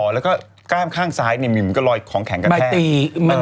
แล้วก็กล้ามข้างซ้ายมีรอยของแข็งกระแทก